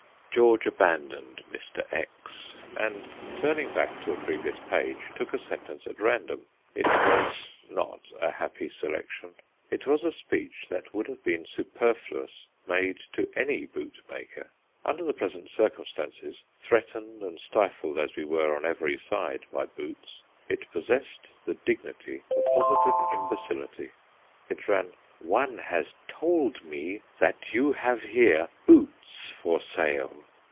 George abandoned "Mr. X," and turning back to a previous page, took a sentence at random. It was not a happy selection; it was a speech that would have been superfluous made to any bootmaker. Under the present circumstances, threatened and stifled as we were on every side by boots, it possessed the dignity of positive imbecility. It ran: "One has told me that you have here boots for sale."